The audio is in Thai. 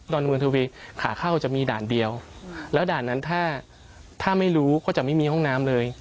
อนเมืองทวีขาเข้าจะมีด่านเดียวแล้วด่านนั้นถ้าถ้าไม่รู้ก็จะไม่มีห้องน้ำเลย